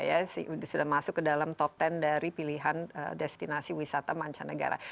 ya sudah masuk ke dalam top sepuluh dari pilihan destinasi wisata mancanegara